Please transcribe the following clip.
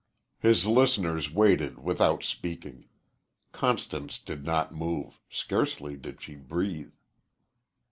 His listeners waited without speaking. Constance did not move scarcely did she breathe.